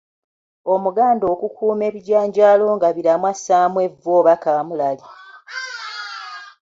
Omuganda okukuuma ebijanjaalo nga biramu assaamu evvu oba kaamulari.